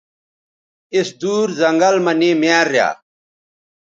اِس دُور زنگل مہ نے میار ریا